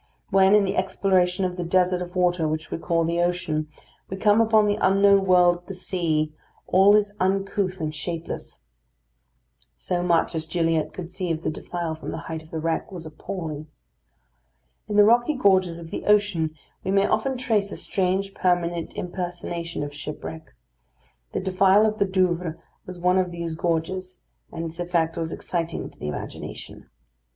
When, in the exploration of the desert of water which we call the ocean, we come upon the unknown world of the sea, all is uncouth and shapeless. So much as Gilliatt could see of the defile from the height of the wreck, was appalling. In the rocky gorges of the ocean we may often trace a strange permanent impersonation of shipwreck. The defile of the Douvres was one of these gorges, and its effect was exciting to the imagination.